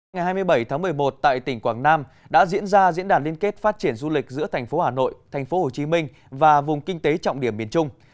ngày hai mươi bảy tháng một mươi một tại tỉnh quảng nam đã diễn ra diễn đàn liên kết phát triển du lịch giữa thành phố hà nội thành phố hồ chí minh và vùng kinh tế trọng điểm miền trung